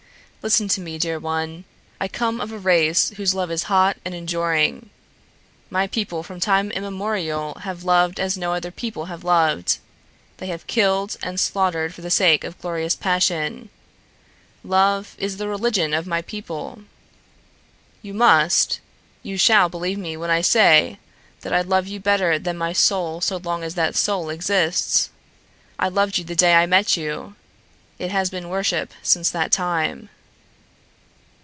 Listen to me, dear one: I come of a race whose love is hot and enduring. My people from time immemorial have loved as no other people have loved. They have killed and slaughtered for the sake of the glorious passion. Love is the religion of my people. You must, you shall believe me when I say that I will love you better than my soul so long as that soul exists. I loved you the day I met you. It has been worship since that time."